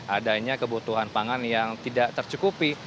adanya kebutuhan pangan yang tidak tercukupi